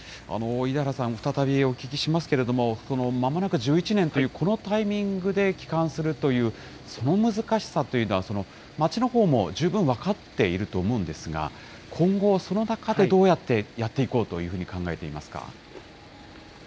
出原さん、再びお聞きしますけれども、まもなく１１年というこのタイミングで帰還するという、その難しさというのは、町のほうも十分分かっていると思うんですが、今後、その中でどうやってやっていこうというふうに考えていますか。